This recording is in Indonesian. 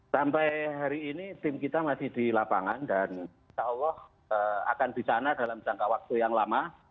sampai hari ini tim kita masih di lapangan dan insya allah akan di sana dalam jangka waktu yang lama